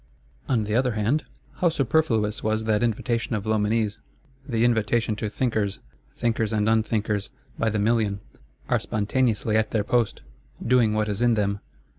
On the other hand, how superfluous was that invitation of Loménie's: the invitation to thinkers! Thinkers and unthinkers, by the million, are spontaneously at their post, doing what is in them.